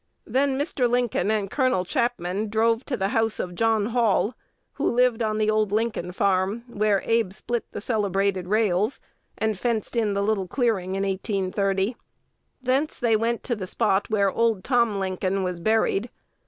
Then Mr. Lincoln and Col. Chapman drove to the house of John Hall, who lived "on the old Lincoln farm," where Abe split the celebrated rails, and fenced in the little clearing in 1830. Thence they went to the spot where old Tom Lincoln was buried.